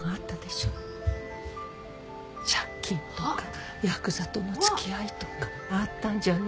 借金とかヤクザとの付き合いとかあったんじゃない？